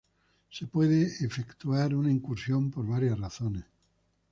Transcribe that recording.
Se puede efectuar una incursión por varias razones.